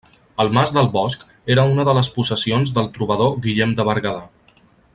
El mas del bosc era una de les possessions del trobador Guillem de Berguedà.